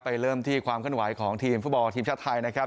เริ่มที่ความขึ้นไหวของทีมฟุตบอลทีมชาติไทยนะครับ